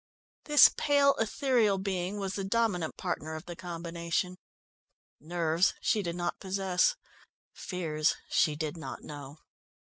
This pale, ethereal being was the dominant partner of the combination. Nerves she did not possess, fears she did not know.